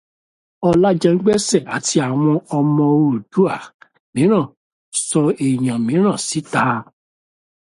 Ọlájẹngbésì àti àwọn Ọmọ Oòduà mìíràn sọ èèyàn mẹ́rin síta